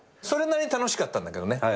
それなりに楽しかったんだけどね。